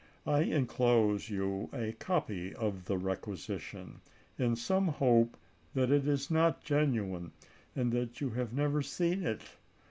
I inclose you a copy of the requi sition, in some hope that it is not genuine — that you have never seen it.